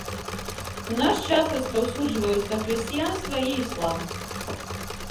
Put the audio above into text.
У наш час распаўсюджваюцца хрысціянства і іслам.